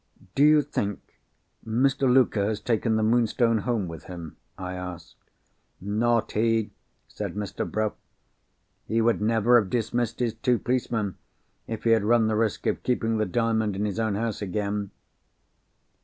"Do you think Mr. Luker has taken the Moonstone home with him?" I asked. "Not he," said Mr. Bruff. "He would never have dismissed his two policemen, if he had run the risk of keeping the Diamond in his own house again."